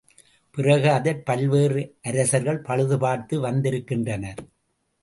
பிறகு அதைப் பல்வேறு அரசர்கள் பழுது பார்த்து வந்திருக்கின்றனர்.